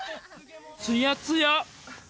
つやつや！